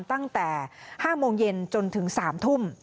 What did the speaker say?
ตั้งแต่๕โมงเย็นจนถึง๓ทุ่ม